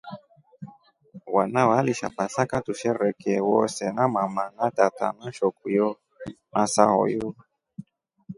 Wana walisha pasaka tusherekee wose na mama na tata na shokuyo na sayo.